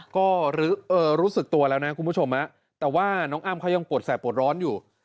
ก็รู้สึกตัวแล้วนะคุณผู้ชมแต่ว่าน้องอ้ำเขายังปวดแสบปวดร้อนอยู่